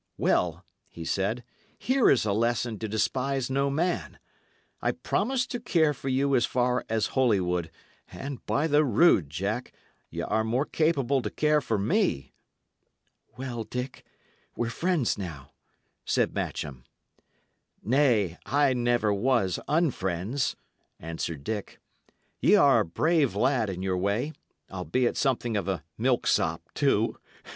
"Well," he said, "here is a lesson to despise no man. I promised to care for you as far as Holywood, and, by the rood, Jack, y' are more capable to care for me." "Well, Dick, we're friends now," said Matcham. "Nay, I never was unfriends," answered Dick. "Y' are a brave lad in your way, albeit something of a milksop, too.